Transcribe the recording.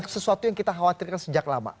sesuatu yang kita khawatirkan sejak lama